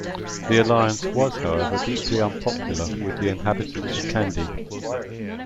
The alliance was however deeply unpopular with the inhabitants of Kandy.